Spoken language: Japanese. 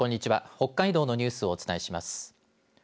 北海道のニュースをお伝えします。